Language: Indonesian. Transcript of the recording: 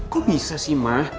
kok bisa sih ma